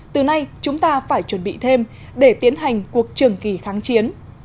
từ nay chúng ta phải chuẩn bị thêm để tiến hành cuộc trường kỳ kháng chiến